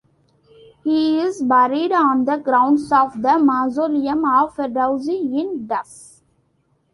He is buried on the grounds of the mausoleum of Ferdowsi in Tus.